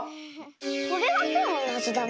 これはきょうのなぞだね。